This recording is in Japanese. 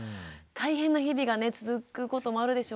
大変な日々が続くこともあるでしょうね。